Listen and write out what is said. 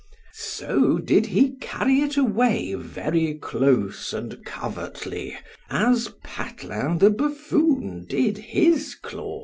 So did he carry it away very close and covertly, as Patelin the buffoon did his cloth.